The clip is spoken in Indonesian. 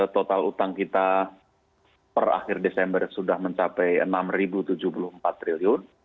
total utang kita per akhir desember sudah mencapai rp enam tujuh puluh empat triliun